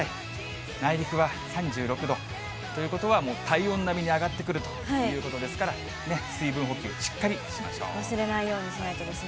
内陸は３６度。ということはもう、体温並みに上がってくるということですから、水分補給、しっかり忘れないようにしないとです